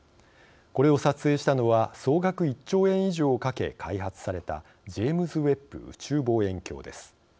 これを撮影したのは総額１兆円以上をかけ開発されたジェームズ・ウェッブ宇宙望遠鏡です。